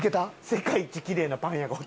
世界一きれいなパン屋がおった。